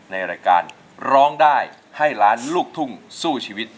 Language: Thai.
ในรายการร้องได้ให้ล้านลูกทุ่งสู้ชีวิต